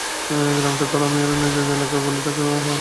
গ্রামটা ধলা মিয়ার নিজের এলাকায় বলে তাকে সঙ্গে আনা হয়েছে গাইড হিসাবে।